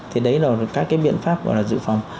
thì đấy là các cái biện pháp gọi là dự phòng